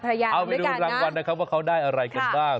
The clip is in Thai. เอาไปดูรางวัลนะครับว่าเขาได้อะไรกันบ้าง